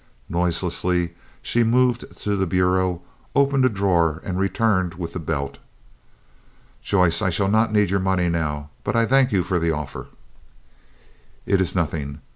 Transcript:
Noiselessly she moved to the bureau, opened a drawer, and returned with the belt. "Joyce, I shall not need your money now, but I thank you for the offer." "It was nothing.